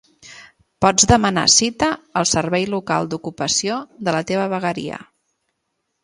Pots demanar cita al Servei local d'ocupació de la teva vegueria.